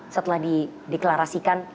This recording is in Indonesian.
setelah di deklarasikan